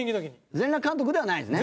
『全裸監督』ではないですね？